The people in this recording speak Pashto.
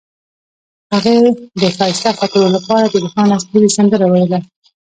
هغې د ښایسته خاطرو لپاره د روښانه ستوري سندره ویله.